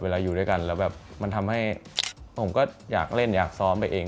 อยู่ด้วยกันแล้วแบบมันทำให้ผมก็อยากเล่นอยากซ้อมไปเอง